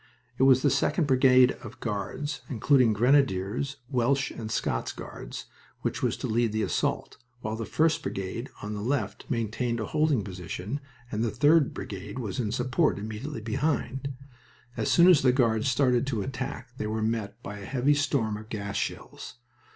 It was the 2d Brigade of Guards, including Grenadiers, Welsh and Scots Guards, which was to lead the assault, while the 1st Brigade on the left maintained a holding position and the 3d Brigade was in support, immediately behind. As soon as the Guards started to attack they were met by a heavy storm of gas shells.